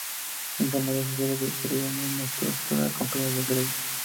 En Canadá se suele servir en una tosta y acompañada de gravy.